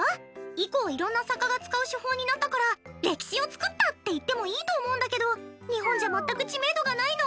以降いろんな作家が使う手法になったから歴史を作ったっていってもいいと思うんだけど日本じゃ全く知名度が無いの。